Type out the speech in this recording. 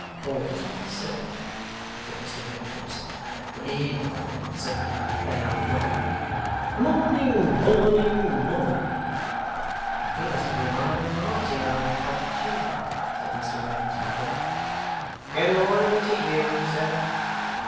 ['Calls me Sir!' said Mr Wegg, to himself; 'HE won't answer. A bow gone!') 'Morning, morning, morning!' 'Appears to be rather a 'arty old cock, too,' said Mr Wegg, as before; 'Good morning to YOU, sir.